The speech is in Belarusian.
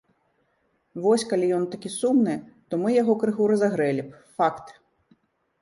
Вось калі ён такі сумны, то мы яго крыху разагрэлі б, факт!